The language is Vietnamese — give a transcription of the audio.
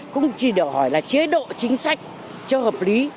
cũng chỉ đòi hỏi là chế độ chính sách chưa hợp lý